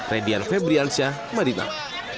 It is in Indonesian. radian febriansyah madinah